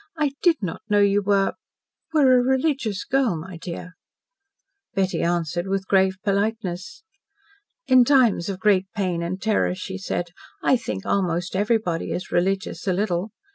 "I did not know you were were a religious girl, my dear." Betty answered with grave politeness. "In times of great pain and terror," she said, "I think almost everybody is religious a little.